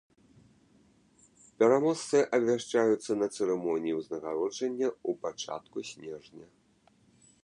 Пераможцы абвяшчаюцца на цырымоніі ўзнагароджання ў пачатку снежня.